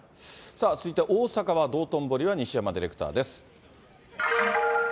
続いては大阪は道頓堀は西山ディレクターです。